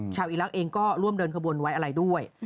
อีรักษ์เองก็ร่วมเดินขบวนไว้อะไรด้วย